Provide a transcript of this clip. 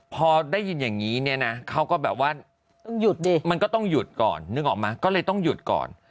พอได้ยินอย่างนี้เนี่ยนะเขาก็แบบว่าต้องหยุดดิมันก็ต้องหยุดก่อนนึกออกไหมก็เลยต้องหยุดก่อน